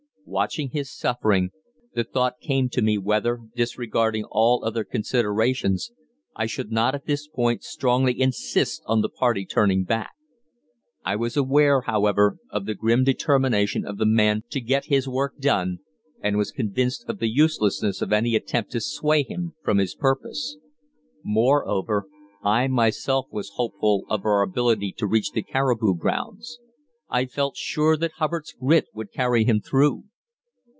Watching his suffering, the thought came to me whether, disregarding all other considerations, I should not at this point strongly insist on the party turning back. I was aware, however, of the grim determination of the man to get his work done, and was convinced of the uselessness of any attempt to sway him from his purpose. Moreover, I myself was hopeful of our ability to reach the caribou grounds; I felt sure that Hubbard's grit would carry him through.